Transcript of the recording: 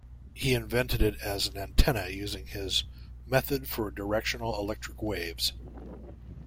He invented it as an antenna using his "method for directional electric waves".